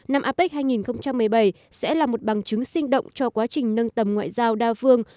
năm apec hai nghìn một mươi bảy sẽ là một bằng chứng sinh động cho quá trình nâng tầm ngoại giao đa phương